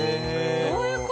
どういう事？